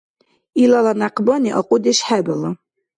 Илала някъбани акьудеш хӀебала.